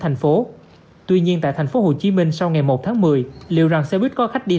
thành phố tuy nhiên tại thành phố hồ chí minh sau ngày một tháng một mươi liệu rằng xe buýt có khách đi